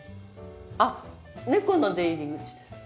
あっ猫の出入り口です。